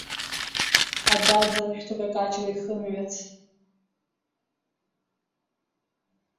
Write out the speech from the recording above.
Адәаӡа шәҭы-какаҷла ихымҩац…